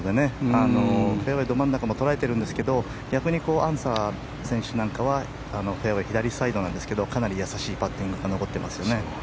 フェアウェーど真ん中も捉えているんですけど逆にアンサー選手なんかはフェアウェー左サイドなんですけどかなりやさしいパッティングが残っていますよね。